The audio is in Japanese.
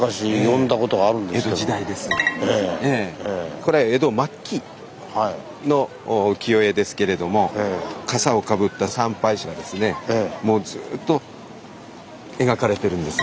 これ江戸末期の浮世絵ですけれどもかさをかぶった参拝者ですねもうずっと描かれてるんです。